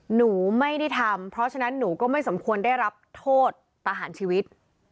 หนูไม่ได้ทำเพราะฉะนั้นหนูก็ไม่สมควรได้รับโทษประหารชีวิต